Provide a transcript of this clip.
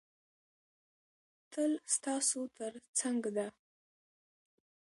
تل ستاسو تر څنګ ده.